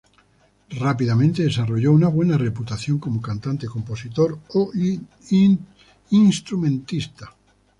Rápidamente desarrolló una buena reputación como cantante, compositor e instrumentista.